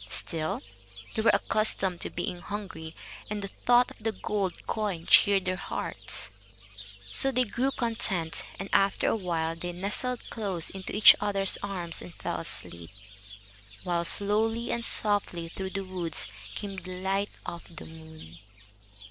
Still, they were accustomed to being hungry, and the thought of the gold coin cheered their hearts. So they grew content, and after a while they nestled close into each other's arms and fell asleep, while slowly and softly through the woods came the light of the moon.